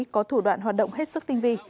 có thủ đoạn hoạt động hết sức tinh vi